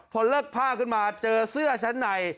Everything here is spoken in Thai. พอเลิกผ้าขึ้นมาเจอเสื้อชั้นใน